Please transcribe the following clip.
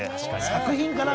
作品かな？